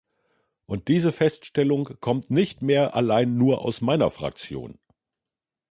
Und diese Feststellung kommt nicht mehr allein nur aus meiner Fraktion.